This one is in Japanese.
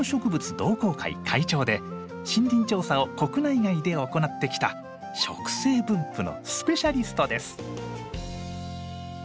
同好会会長で森林調査を国内外で行ってきた植生分布のスペシャリストです。